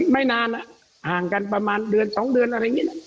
ไม่นานห่างกันประมาณเดือน๒เดือนอะไรอย่างนี้